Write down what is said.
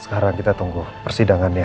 sekarang kita tunggu persidangannya